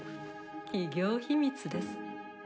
企業秘密です。